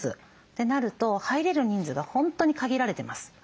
ってなると入れる人数が本当に限られてます。